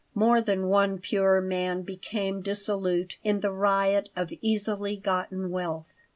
More than one pure man became dissolute in the riot of easily gotten wealth.